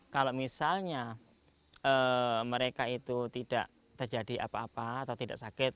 kalau misalnya mereka itu tidak terjadi apa apa atau tidak sakit